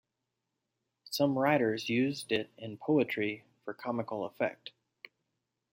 Some writers used it in poetry for comical effect.